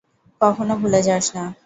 কখনো ভুলে যাস না।